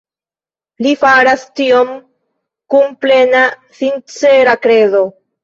Li faras tion kun plena sincera kredo.